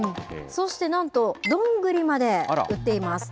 そしてなんと、ドングリまで売っています。